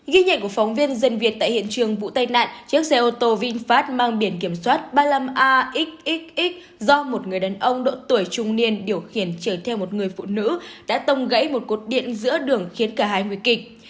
ghi nhận của phóng viên dân việt tại hiện trường vụ tai nạn chiếc xe ô tô vinfast mang biển kiểm soát ba mươi năm a xxx do một người đàn ông độ tuổi trung niên điều khiển chở theo một người phụ nữ đã tông gãy một cột điện giữa đường khiến cả hai nguy kịch